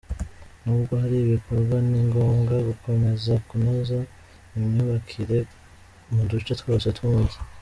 N’ubwo hari ibikorwa, ni ngombwa gukomeza kunoza imyubakira mu duce twose tw’umujyi.